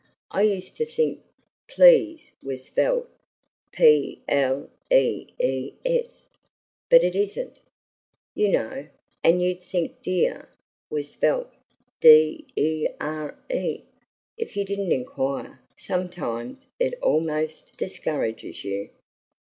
I used to think 'please' was spelled p l e e s, but it isn't, you know; and you'd think 'dear' was spelled d e r e, if you didn't inquire. Sometimes it almost discourages you."